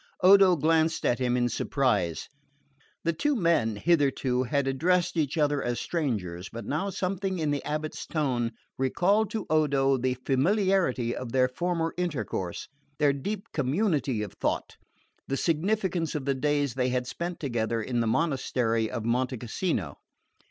Odo glanced at him in surprise. The two men, hitherto, had addressed each other as strangers; but now something in the abate's tone recalled to Odo the familiarity of their former intercourse, their deep community of thought, the significance of the days they had spent together in the monastery of Monte Cassino.